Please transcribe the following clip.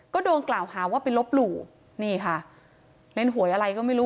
ก็โดนกล่าวหาว่าไปลบหลู่นี่ค่ะเล่นหวยอะไรก็ไม่รู้